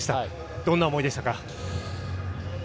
どんな思いでしたか？